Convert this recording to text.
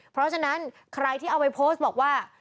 เพราะฉะนั้นใครที่เอาไปโพสต์บอกว่า